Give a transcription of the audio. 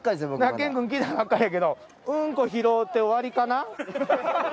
健くん来たばっかりやけどうんこ拾うて終わりかな。